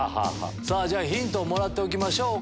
じゃあヒントをもらっておきましょう。